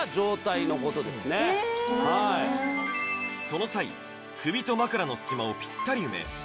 その際首と枕の隙間をぴったり埋めＳ